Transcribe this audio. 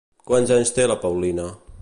Quants anys té la Paulina?